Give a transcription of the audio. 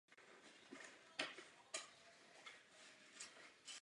Velmi silná kontrakce se nazývá gravitační kolaps.